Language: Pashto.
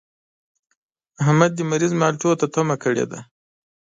احمد د مريض مالټو ته تمه کړې ده.